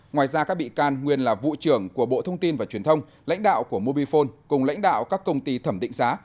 ngoài ra các bị can nguyên là vụ trưởng của bộ thông tin và truyền thông lãnh đạo của mobifone cùng lãnh đạo các công ty thẩm định giá